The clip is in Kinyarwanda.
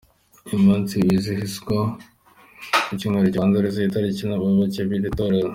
Uyu munsi wizihizwa ku cyumweru kibanziriza iyi tariki, n’abayoboke b’iri torero.